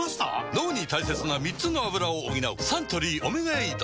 脳に大切な３つのアブラを補うサントリー「オメガエイド」